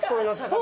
あ！